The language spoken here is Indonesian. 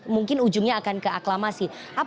mungkin ujungnya akan keaklamasi